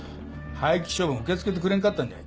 廃棄処分受け付けてくれんかったんじゃ。